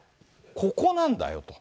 ここなんだよと。